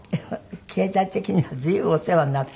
経済的には随分お世話になった？